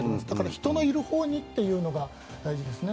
人のいるほうにというのが大事ですね。